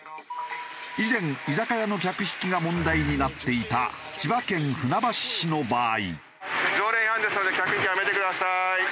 以前居酒屋の客引きが問題になっていた千葉県船橋市の場合。